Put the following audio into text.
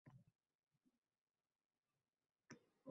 Menga ham omad kulib boqsa edi...